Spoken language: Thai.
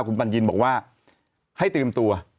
คุณบัญญินบอกว่าให้เตรียมตัว